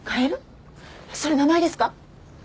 それ名前ですか？